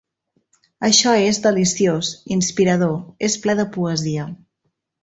Això és deliciós, inspirador, és ple de poesia!